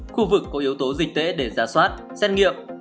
khu vực có yếu tố dịch tễ để ra soát xét nghiệm